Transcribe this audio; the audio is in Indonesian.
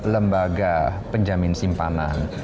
lembaga penjamin simpanan